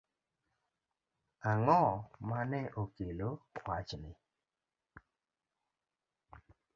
Ang'o mane okelo wach ni?